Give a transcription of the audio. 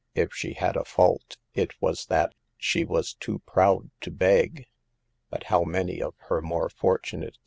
If she had a fault, it was that she was too proud to beg; but how many of her more fortunate THE PEBILS OF POVERTY.